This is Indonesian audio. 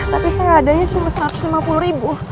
tapi seadanya cuma satu ratus lima puluh ribu